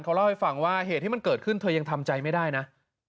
เขาเล่าให้ฟังว่าเหตุที่มันเกิดขึ้นเธอยังทำใจไม่ได้นะ